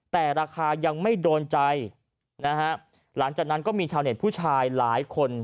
แต่ราคายังไม่โดนใจนะฮะหลังจากนั้นก็มีชาวเน็ตผู้ชายหลายคน